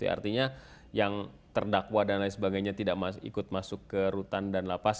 artinya yang terdakwa dan lain sebagainya tidak ikut masuk ke rutan dan lapas